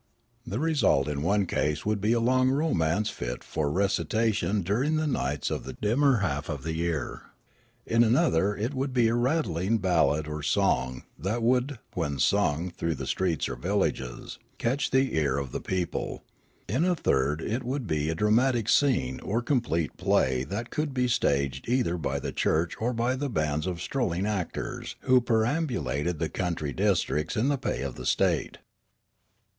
The result in one case would be a long romance fit for recitation during the nights of the dimmer half of the year ; in another it would be a rattling ballad or song that would, when sung through the streets or villages, catch the ear of the people ; in a third it would be a dramatic scene or complete play that could be staged either by the church or by the bands of strolling actors who perambulated the country districts in the pay of the state.